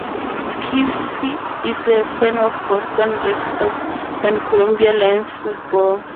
Schiff is a fan of the Boston Red Sox and Columbia Lions football.